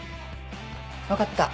分かった。